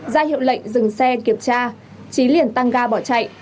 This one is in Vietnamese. ra hiệu lệnh dừng xe kiểm tra trí liền tăng ga bỏ chạy